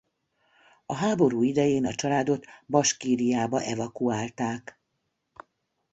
A háború idején a családot Baskíriába evakuálták.